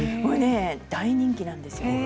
大人気なんですよ。